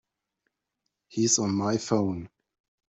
He's on my phone.